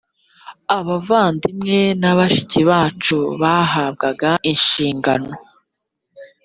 abavandimwe na bashiki bacu bahabwaga inshingano